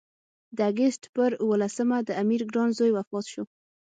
د اګست پر اووه لسمه د امیر ګران زوی وفات شو.